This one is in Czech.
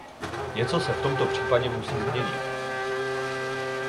Něco se v tomto případě musí změnit.